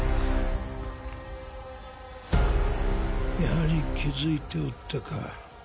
やはり気付いておったか。